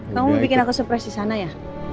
kamu bikin aku surprise disana ya